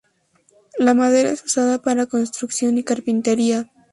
La madera es usada para construcción y carpintería.